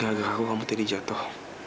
gak agak aku kamu tadi jatuh